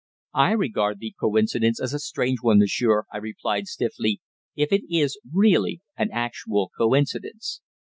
"I regard the coincidence as a strange one, monsieur," I replied stiffly, "if it is really an actual coincidence."